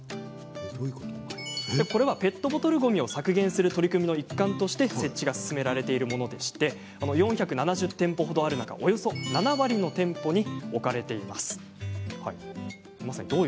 これは、ペットボトルごみを削減する取り組みの一環として設置が進められているもので４７０店舗ほどある中およそ７割の店舗に置かれています。